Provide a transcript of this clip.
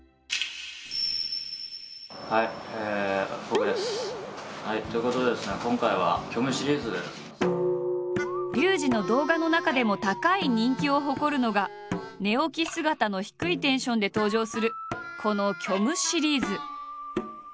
はいということでですねリュウジの動画の中でも高い人気を誇るのが寝起き姿の低いテンションで登場するこの「虚無シリーズ」。